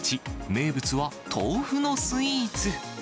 名物は豆腐のスイーツ。